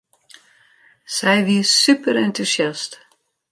Sy wie superentûsjast.